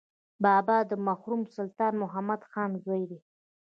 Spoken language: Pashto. بابا د مرحوم سلطان محمد خان زوی دی.